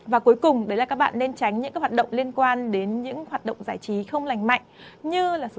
và cuối cùng đấy là các bạn nên tránh những hoạt động liên quan đến những hoạt động giải trí không lành mạnh như